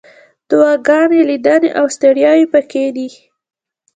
دعاګانې، لیدنې، او ستړیاوې پکې دي.